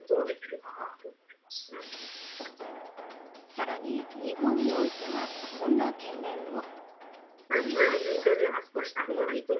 さらに日本においては、こんな懸念も。